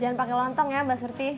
pakai lontong ya mbak surti